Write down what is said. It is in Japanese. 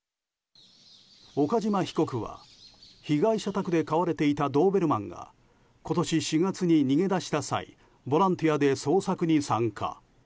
岡島被告は被害者宅で飼われていたドーベルマンが今年４月、逃げ出した際ボランティアで捜索に参加。